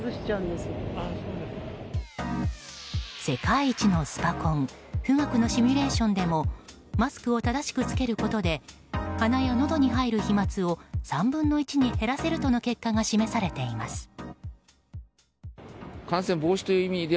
世界一のスパコン「富岳」のシミュレーションでもマスクを正しく着けることで鼻やのどに入る飛沫を３分の１に減らせるとの結果が示されています。